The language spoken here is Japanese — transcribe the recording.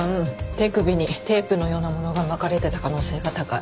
手首にテープのようなものが巻かれてた可能性が高い。